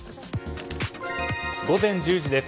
午前１０時です。